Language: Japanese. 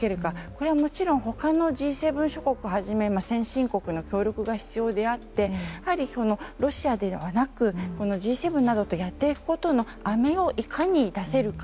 これはもちろん他のＧ７諸国をはじめ先進国の協力が必要であってやはりロシアではなくＧ７などとやっていくことの利点をいかに出せるか。